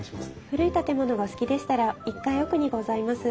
古い建物がお好きでしたら１階奥にございます